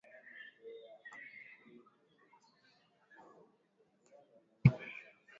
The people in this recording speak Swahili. na kuahindi kutangaza matokeo ya mwisho mapema leo